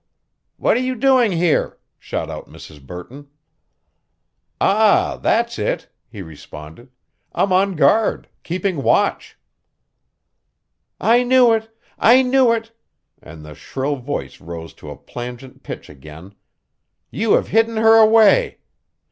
"What are you doing here?" shot out Mrs. Burton. "Ah, that's it," he responded. "I'm on guard keeping watch!" "I knew it! I knew it!" and the shrill voice rose to a plangent pitch again. "You have hidden her away.